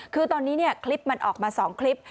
คือตอนนี้คลิปมันออกมา๒คลิป